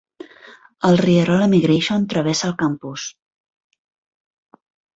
El rierol Emigration travessa el campus.